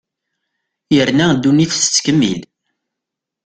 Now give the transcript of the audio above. Yerna ddunit tettkemmil.